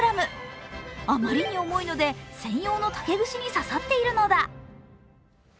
あまりに重いので専用の竹串に刺さっているのだ。